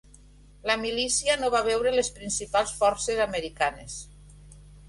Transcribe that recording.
La milícia no va veure les principals forces americanes.